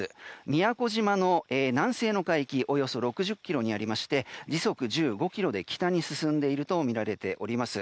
宮古島の南西の海域およそ６０ｋｍにありまして時速１５キロで北に進んでいるとみられます。